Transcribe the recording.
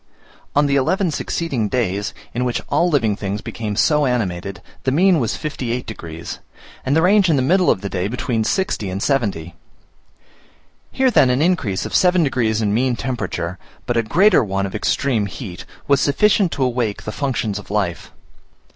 On the eleven succeeding days, in which all living things became so animated, the mean was 58 degs., and the range in the middle of the day between 60 and 70 degs. Here, then, an increase of seven degrees in mean temperature, but a greater one of extreme heat, was sufficient to awake the functions of life.